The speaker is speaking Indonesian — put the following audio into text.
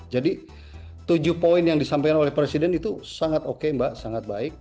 jadi tujuh poin yang disampaikan oleh presiden itu sangat oke mbak sangat baik